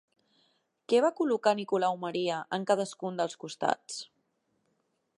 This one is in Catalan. Què va col·locar Nicolau Maria en cadascun dels costats?